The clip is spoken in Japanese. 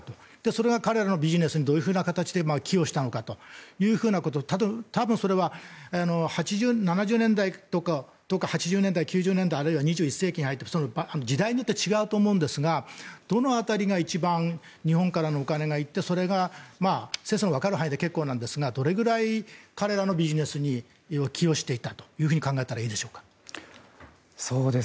それが彼らのビジネスにどういうような形で寄与したのかということを多分それは７０年代とか８０年代９０年代あるいは２１世紀に入って時代によって違うと思うんですがどの辺りが一番日本からのお金が行ってそれが、先生のわかる範囲で結構なんですがどれくらい彼らのビジネスに寄与していたと考えたらいいでしょうか。